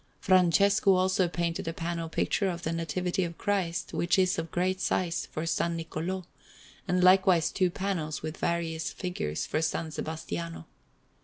Francesco also painted a panel picture of the Nativity of Christ, which is of great size, for S. Niccolò, and likewise two panels, with various figures, for S. Sebastiano.